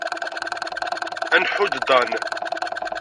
Ad nḥudd Dan.